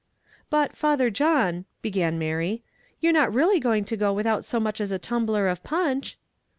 "But, Father John," began Mary, "you're not really going to go without so much as a tumbler of punch?"